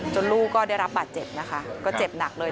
ลูกก็ได้รับบาดเจ็บนะคะก็เจ็บหนักเลย